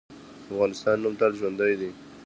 د افغانستان نوم تل ژوندی دی.